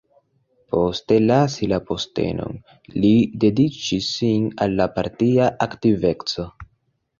Poste lasi la postenon, li dediĉis sin al la partia aktiveco.